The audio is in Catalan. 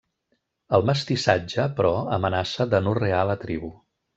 El mestissatge, però, amenaça d'anorrear la tribu.